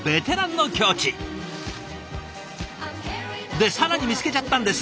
で更に見つけちゃったんです。